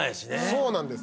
そうなんです。